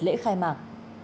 lễ khai mạc